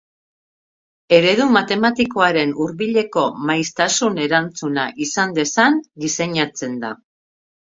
Eredu matematikoaren hurbileko maiztasun-erantzuna izan dezan diseinatzen da.